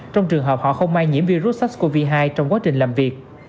trong trường hợp họ không may nhiễm virus sars cov hai trong quá trình làm việc